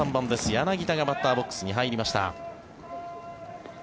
柳田がバッターボックスに入りました。